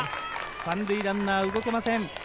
３塁ランナー、動けません。